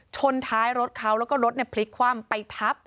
ชนท้ายรถเขาแล้วก็รถพลิกคว่ำไปทับ